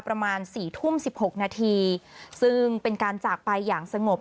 ประมาณสี่ทุ่มสิบหกนาทีซึ่งเป็นการจากไปอย่างสงบ